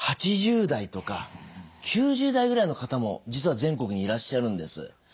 ８０代とか９０代ぐらいの方も実は全国にいらっしゃるんです。